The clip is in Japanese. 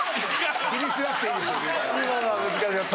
気にしなくていいです。